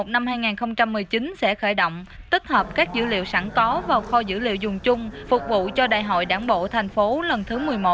năm hai nghìn một mươi chín sẽ khởi động tích hợp các dữ liệu sẵn có vào kho dữ liệu dùng chung phục vụ cho đại hội đảng bộ thành phố lần thứ một mươi một